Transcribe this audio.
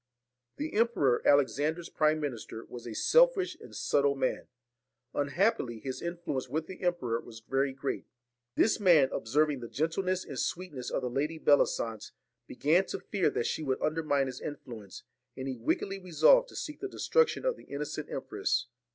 The Emperor Alexander's prime minister was a selfish and subtle man; unhappily his influence with the emperor was very great. This man, ob serving the gentleness and sweetness of the Lady Bellisance, began to fear that she would under mine his influence, and he wickedly resolved to seek the destruction of the innocent empress.